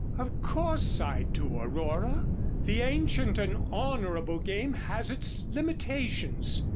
"Of course I do, Aurora. The Ancient and Honorable Game has its limitations.